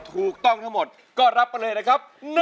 คุณอ้อยและคุณแป๊อด้วยค่ะ